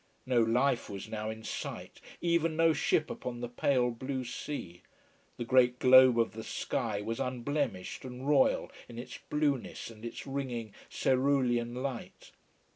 No life was now in sight: even no ship upon the pale blue sea. The great globe of the sky was unblemished and royal in its blueness and its ringing cerulean light.